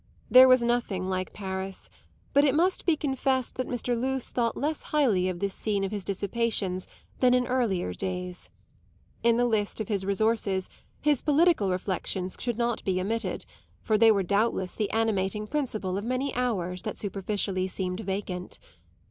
There was nothing like Paris, but it must be confessed that Mr. Luce thought less highly of this scene of his dissipations than in earlier days. In the list of his resources his political reflections should not be omitted, for they were doubtless the animating principle of many hours that superficially seemed vacant.